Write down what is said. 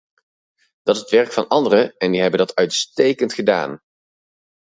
Dat is het werk van anderen en die hebben dat uitstekend gedaan.